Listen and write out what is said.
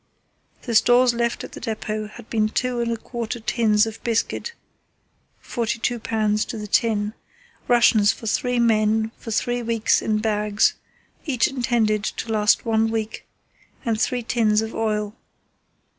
The stores left at the depot had been two and a quarter tins of biscuit (42 lbs. to the tin), rations for three men for three weeks in bags, each intended to last one week, and three tins of oil.